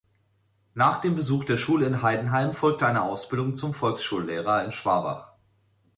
Nach dem Besuch der Schule in Heidenheim folgte eine Ausbildung zum Volksschullehrer in Schwabach.